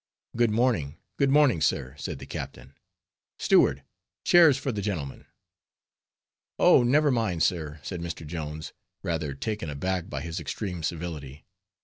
"Good morning, good morning, sir," said the captain. "Steward, chairs for the gentlemen." "Oh! never mind, sir," said Mr. Jones, rather taken aback by his extreme civility.